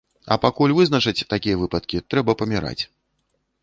А пакуль вызначаць такія выпадкі, трэба паміраць.